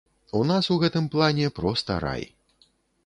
У нас у гэтым плане проста рай.